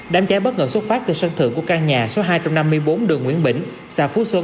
đám cháy bất ngờ xuất phát từ sân thượng của căn nhà số hai trăm năm mươi bốn đường nguyễn bỉnh xã phú xuân